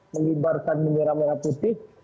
mengimbarkan menyeram merah putih